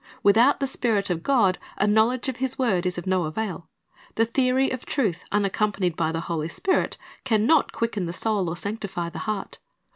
Without the Spirit of God a knowledge of His word is of no avail. The theory of truth, unaccompanied by the Holy Spirit, can not quicken the soul or sanctify the heart.